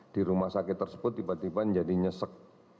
di rumah sakit tersebut tiba tiba jadi nyesek